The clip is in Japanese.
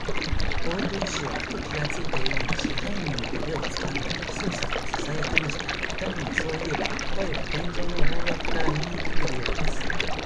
大鳥氏はふと気がついたように、支配人の腕をつかんで、ヒソヒソとささやきました。いかにも、そういえば、声は天井の方角からひびいてくるようです。